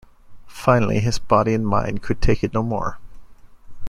Finally, his body and mind could take it no more.